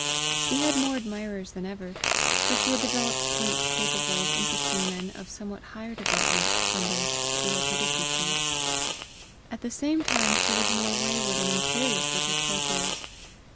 She had more admirers than ever, for she had developed points capable of interesting men of somewhat higher development than those she had hitherto pleased. At the same time she was more wayward and imperious with her courtiers.